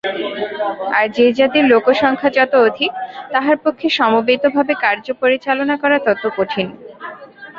আর যে-জাতির লোকসংখ্যা যত অধিক, তাহার পক্ষে সমবেতভাবে কার্য পরিচালনা করা তত কঠিন।